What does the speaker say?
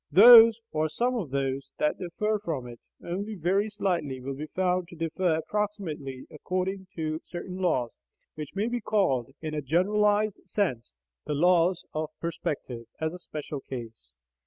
Those (or some of those) that differ from it only very slightly will be found to differ approximately according to certain laws which may be called, in a generalized sense, the laws of "perspective"; they include the ordinary laws of perspective as a special case.